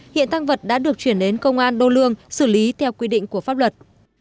hiện tăng vật đã được chuyển đến công an đô lương xử lý theo quy định của pháp luật